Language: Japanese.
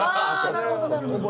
なるほどなるほど。